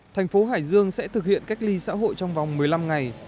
thành phố hải dương sẽ thực hiện cách ly xã hội trong vòng một mươi năm ngày